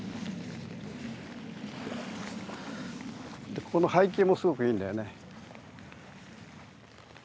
でこの背景もすごくいいんだよね。